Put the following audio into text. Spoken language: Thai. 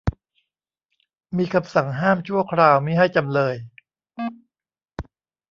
มีคำสั่งห้ามชั่วคราวมิให้จำเลย